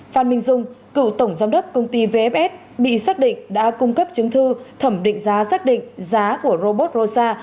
phan minh dung cựu tổng giám đốc công ty vfs bị xác định đã cung cấp chứng thư thẩm định giá xác định giá của robot rosa